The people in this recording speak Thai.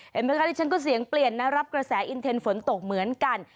เห็นไหมคะที่ฉันก็เสียงเปลี่ยนนะรับกระแสอินเทนฝนตกเหมือนกัน